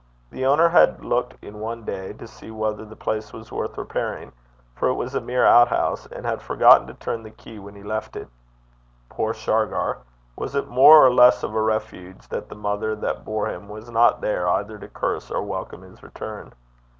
The owner had looked in one day to see whether the place was worth repairing, for it was a mere outhouse, and had forgotten to turn the key when he left it. Poor Shargar! Was it more or less of a refuge that the mother that bore him was not there either to curse or welcome his return?